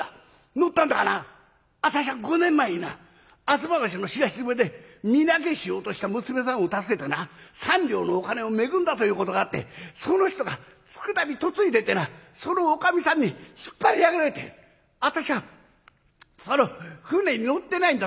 乗ったんだがな私は５年前にな吾妻橋の東詰で身投げしようとした娘さんを助けてな３両のお金を恵んだということがあってその人が佃に嫁いでてなそのおかみさんに引っ張り上げられて私はその舟に乗ってないんだ。